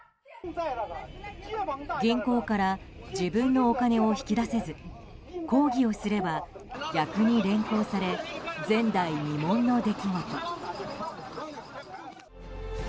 銀行から自分のお金を引き出せず抗議をすれば逆に連行される前代未聞の出来事。